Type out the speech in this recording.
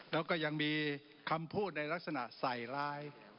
แล้วก็ยังมีคำพูดในลักษณะใส่ร้าย